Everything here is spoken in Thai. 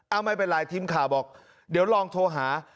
เอาไม่เป็นไรทีมข่าวบอกเดี๋ยวลองโทรหา